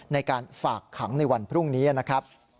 ในการฝากขังในวันพรุ่งนี้นะครับ